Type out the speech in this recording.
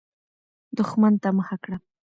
دښمن ته مخه کړه.